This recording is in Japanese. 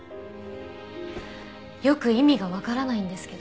よく意味がわからないんですけど。